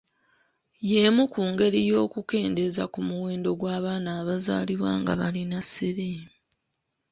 Y’emu ku ngeri y’okukendeeza ku muwendo gw’abaana abazaalibwa nga balina siriimu.